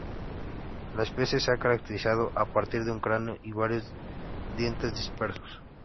La especie se ha caracterizado a partir de un cráneo y varios dientes dispersos.